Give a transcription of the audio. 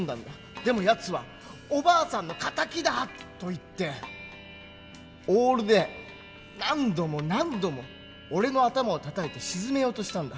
でもやつは「おばあさんの敵だ！」と言ってオールで何度も何度も俺の頭をたたいて沈めようとしたんだ。